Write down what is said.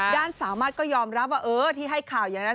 สามารถก็ยอมรับว่าเออที่ให้ข่าวอย่างนั้น